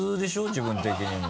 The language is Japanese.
自分的にも。